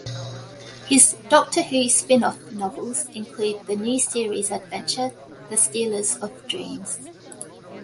His "Doctor Who" spin-off novels include the New Series Adventure "The Stealers of Dreams".